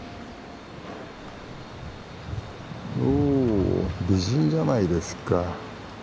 お美人じゃないですか。